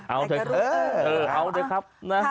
เอาเถอะครับ